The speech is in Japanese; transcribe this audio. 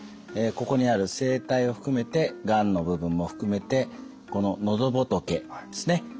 ここにある声帯を含めてがんの部分も含めてこの喉仏ですね